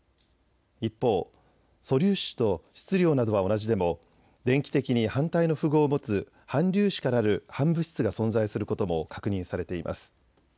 一方、素粒子と質量などは同じでも電気的に反対の符号を持つ反粒子からなる反物質が存在することも確認されています。